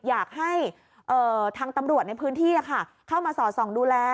อยากให้ทางตำรวจในพื้นที่เข้ามาสอดส่องดูแล